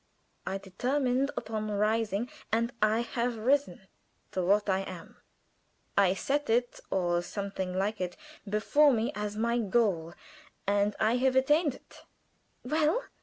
I determined upon rising, and I have risen to what I am. I set it, or something like it, before me as my goal, and I have attained it." "Well?"